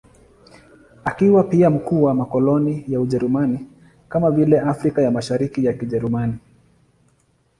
Akiwa pia mkuu wa makoloni ya Ujerumani, kama vile Afrika ya Mashariki ya Kijerumani.